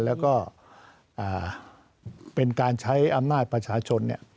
แล้วก็เป็นการใช้อำนาจประชาชน